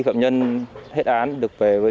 phạm nhân hết án được về với